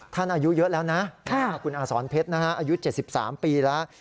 ท่านอายุเยอะแล้วนะค่ะคุณอาศรเพชรนะฮะอายุ๗๓ปีแล้ว